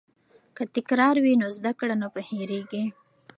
که تکرار وي نو زده کړه نه هیریږي.